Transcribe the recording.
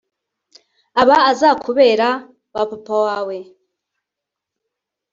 abazakubera ba papa wawe